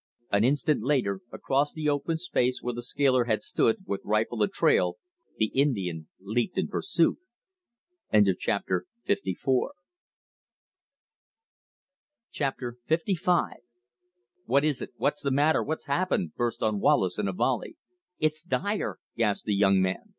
An instant later, across the open space where the scaler had stood, with rifle a trail, the Indian leaped in pursuit. Chapter LV "What is it?" "What's the matter?" "What's happened?" burst on Wallace in a volley. "It's Dyer," gasped the young man.